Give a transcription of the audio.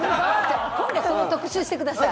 今度その特集してください。